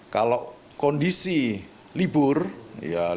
kalau kondisi libur ya